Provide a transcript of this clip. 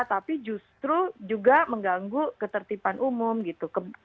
tapi justru juga mengganggu ketertiban umum gitu